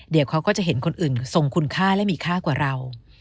เดี๋ยวเขาก็จะเห็นคนอื่นทรงคุณค่าและมีค่ากว่าเรา